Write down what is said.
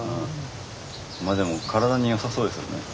まあでも体によさそうですよね。